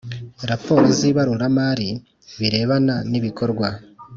raporo z ibaruramari birebana n ibikorwa